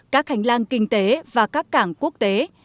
các hành lang kinh tế và các cảng quốc tế